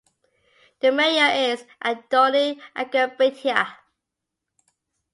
The mayor is Andoni Agirrebeitia.